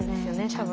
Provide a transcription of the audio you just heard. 多分。